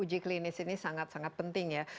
uji klinis ini sangat sangat penting ya